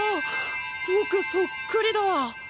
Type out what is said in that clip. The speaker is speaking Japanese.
ぼくそっくりだ！